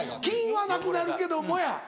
菌はなくなるけどもや。